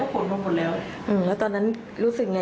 ของคนอื่นเห็นหมดเลยทุกคน